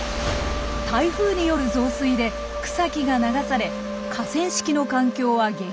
台風による増水で草木が流され河川敷の環境は激変。